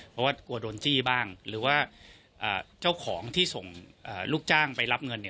เพราะว่ากลัวโดนจี้บ้างหรือว่าเจ้าของที่ส่งลูกจ้างไปรับเงินเนี่ย